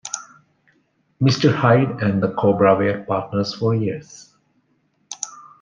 Mister Hyde and the Cobra were partners for years.